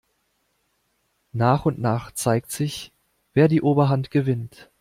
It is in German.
Nach und nach zeigt sich, wer die Oberhand gewinnt.